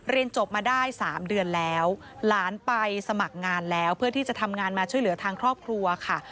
จบมาได้๓เดือนแล้วหลานไปสมัครงานแล้วเพื่อที่จะทำงานมาช่วยเหลือทางครอบครัวค่ะ